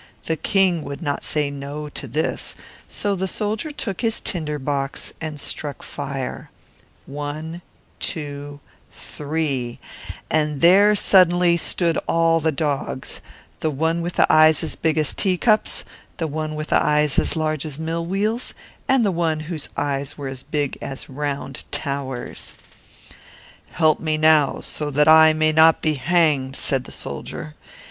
The king could not refuse this request, so the soldier took his tinder box, and struck fire, once, twice, thrice, and there in a moment stood all the dogs; the one with eyes as big as teacups, the one with eyes as large as mill wheels, and the third, whose eyes were like towers. "Help me now, that I may not be hanged," cried the soldier.